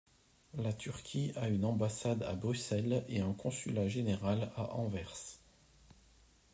La Turquie a une ambassade à Bruxelles et un consulat général à Anvers.